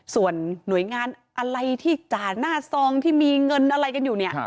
ส่วนหน่วยงานอะไรที่จานหน้าทรองที่มีเงินอะไรอยู่